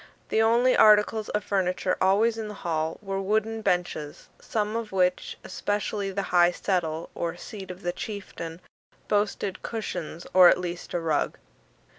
The only articles of furniture always in the hall were wooden benches; some of which, especially the high settle or seat of the chieftain, boasted cushions, or at least a rug.